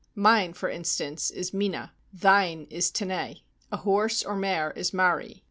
"Mine," for instance, is mina; "thine" is tenei. A horse or mare is mari.